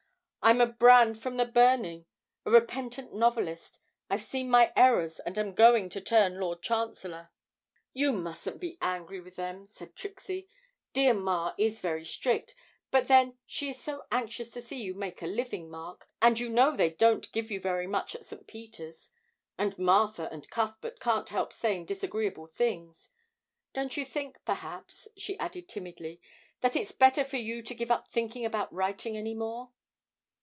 'I'm a brand from the burning a repentant novelist, I've seen my errors and am going to turn Lord Chancellor.' 'You mustn't be angry with them,' said Trixie. 'Dear ma is very strict; but then she is so anxious to see you making a living, Mark, and you know they don't give you very much at St. Peter's. And Martha and Cuthbert can't help saying disagreeable things. Don't you think, perhaps,' she added timidly, 'that it's better for you to give up thinking about writing any more?'